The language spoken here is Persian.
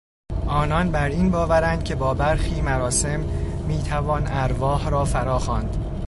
آنان بر این باورند که با برخی مراسم میتوان ارواح را فراخواند.